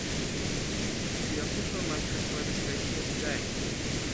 The official mascot for the station is J.